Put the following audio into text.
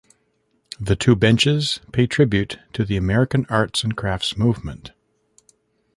The two benches pay tribute to the American Arts and Crafts Movement.